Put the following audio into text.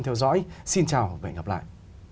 theo dõi xin chào và hẹn gặp lại